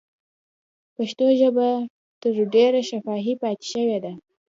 پښتو ژبه تر ډېره شفاهي پاتې شوې ده.